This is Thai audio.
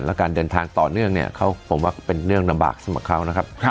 แล้วการเดินทางต่อเนื่องเนี่ยผมว่าเป็นเรื่องลำบากสำหรับเขานะครับ